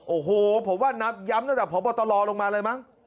โอ้โหผมว่านับย้ำตั้งแต่พบตรลงมาเลยมั้ง